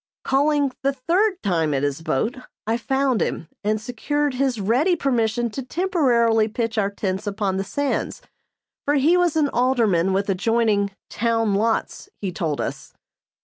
Calling the third time at his boat, I found him and secured his ready permission to temporarily pitch our tents upon the sands, for he was an Alderman with adjoining "town lots," he told us.